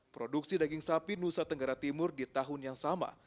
produksi daging sapi nusa tenggara timur di tahun yang sama